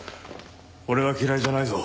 俺は嫌いじゃないぞ。